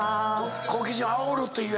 好奇心をあおると。